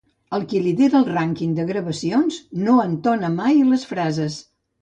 El qui lidera el rànquing de gravacions no entona mai les frases